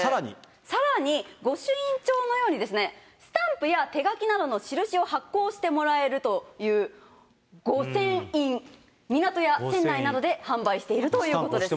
さらに、御朱印帳のように、スタンプや手書きなどの印を発行してもらえるという、御船印、港や船内などで販売しているということです。